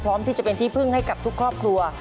พร้อมที่จะเป็นที่พึ่งให้กับทุกครอบครัว